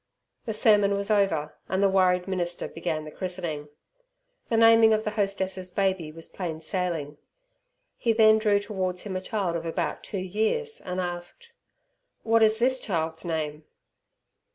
The sermon was over, and the worried minister began the christening. The naming of the hostess's baby was plain sailing. He then drew towards him a child of about two years, and asked, "What is this child's name?"